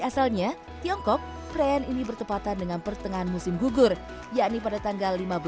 asalnya tiongkok perayaan ini bertepatan dengan pertengahan musim gugur yakni pada tanggal lima belas